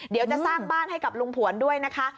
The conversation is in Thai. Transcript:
เดี๋ยวจะสร้างบ้านให้กับลุงผวนด้วยนะคะ